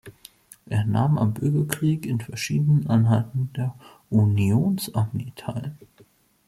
Er nahm am Bürgerkrieg in verschiedenen Einheiten der Unionsarmee teil.